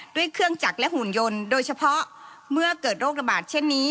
ด้วยเครื่องจักรและหุ่นยนต์โดยเฉพาะเมื่อเกิดโรคระบาดเช่นนี้